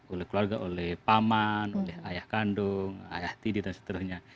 oleh keluarga oleh paman oleh ayah kandung ayah tidik dan seterusnya